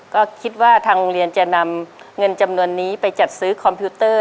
ก็คิดว่าทางโรงเรียนจะนำเงินจำนวนนี้ไปจัดซื้อคอมพิวเตอร์